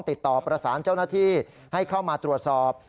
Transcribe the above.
ติดต่อประสานเจ้าหน้าที่ให้เข้ามาตรวจสอบ